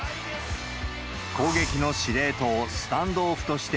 攻撃の司令塔、スタンドオフとして、